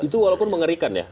itu walaupun mengerikan ya